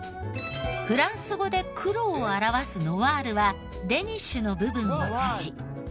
フランス語で「黒」を表わす「ノワール」はデニッシュの部分を指し。